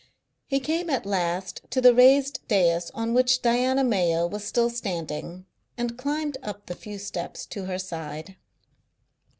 He came at last to the raised dais on which Diana Mayo was still standing, and climbed up the few steps to her side.